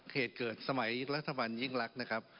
เหตุเกิดสมัยรัฐบาลยิ่งรักนะครับ